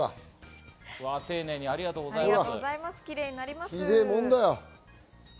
ありがとうございます。